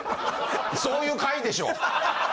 そういう回でしょ？ハハハ。